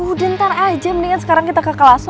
udah ntar aja mendingan sekarang kita ke kelas